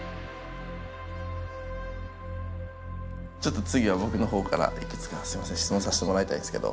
ちょっと次は僕のほうからいくつかすみません質問させてもらいたいんですけど。